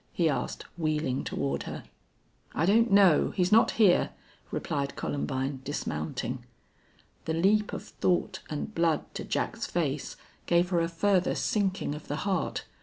he asked, wheeling toward her. "I don't know. He's not here," replied Columbine, dismounting. The leap of thought and blood to Jack's face gave her a further sinking of the heart.